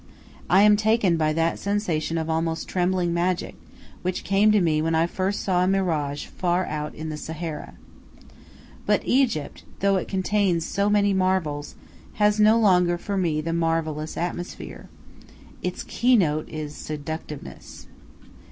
I am taken by that sensation of almost trembling magic which came to me when first I saw a mirage far out in the Sahara. But Egypt, though it contains so many marvels, has no longer for me the marvellous atmosphere. Its keynote is seductiveness.